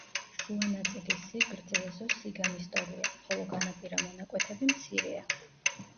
შუა ნაწილის სიგრძე ეზოს სიგანის ტოლია, ხოლო განაპირა მონაკვეთები მცირეა.